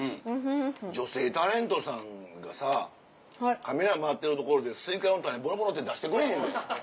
女性タレントさんがさカメラ回ってる所でスイカの種ボロボロって出してくれへんで。